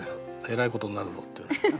えらいことになるぞっていうね。